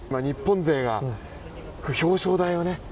日本勢が表彰台をね。